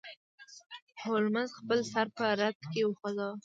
هولمز خپل سر په رد کې وخوزاوه.